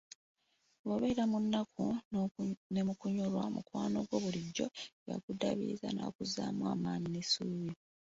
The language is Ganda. Bw'obeera mu nnaku ne mukunyolwa, mukwano gwo bulijjo yakuddaabiriza nakuzzaamu amaanyi n'essuubi.